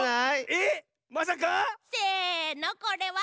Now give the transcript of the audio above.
えっまさか⁉せのこれは。